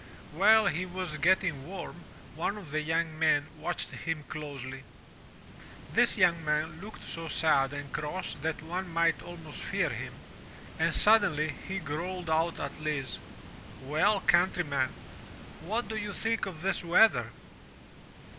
While he was getting warm, one of the young men watched him closely. This young man looked so sad and cross that one might almost fear him, and suddenly he growled out at Lise, "Well, countryman, what do you think of this weather?"